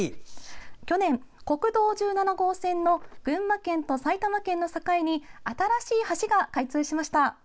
去年、国道１７号線の群馬県と埼玉県の境に新しい橋が開通しました。